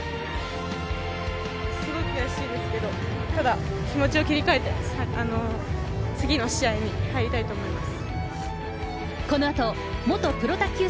すごく悔しいですけど、ただ、気持ちを切り替えて、次の試合に入りたいと思います。